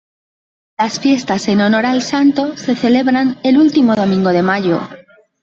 Las fiestas en honor al santo se celebran el último domingo de mayo.